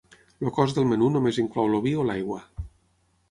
El cost del menú només inclou el vi o l'aigua.